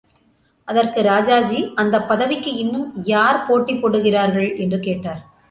அதற்கு ராஜாஜி, அந்தப் பதவிக்கு இன்னும் யார் போட்டி போடுகிறார்கள்? என்று கேட்டார்.